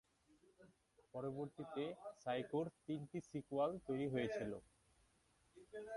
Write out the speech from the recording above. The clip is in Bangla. পরবর্তীতে সাইকো’র তিনটি সিক্যুয়াল তৈরি হয়েছিলো।